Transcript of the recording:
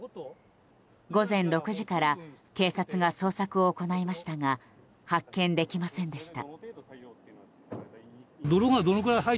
午前６時から警察が捜索を行いましたが発見できませんでした。